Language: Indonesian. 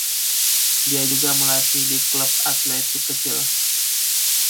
Dia juga melatih di klub atletik kecil.